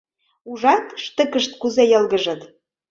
Ужат: штыкышт кузе йылгыжыт!